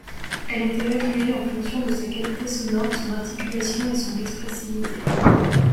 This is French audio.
Elle est évaluée en fonction de sa qualité sonore, son articulation et son expressivité.